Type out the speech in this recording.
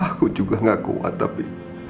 aku juga gak kuat tapi